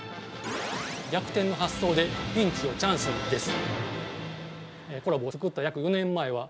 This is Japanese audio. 逆転の発想でピンチをチャンスに、です。